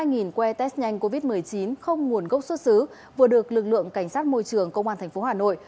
hai que test nhanh covid một mươi chín không nguồn gốc xuất xứ vừa được lực lượng cảnh sát môi trường công an tp hà nội